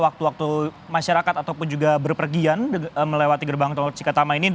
waktu waktu masyarakat ataupun juga berpergian melewati gerbang tol cikatama ini